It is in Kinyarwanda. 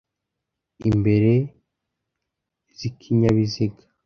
imbere m , z' ikinyabiziga